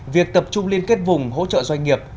việc tập trung liên kết vùng hỗ trợ doanh nghiệp